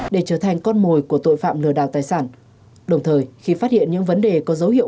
để trở thành con mồi của tội phạm lừa đảo tài sản đồng thời khi phát hiện những vấn đề có dấu hiệu